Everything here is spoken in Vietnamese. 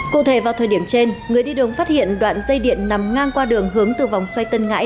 cụ thể vào thời điểm trên người đi đường phát hiện đoạn dây điện nằm ngang qua đường hướng từ vòng xoay tân ngãi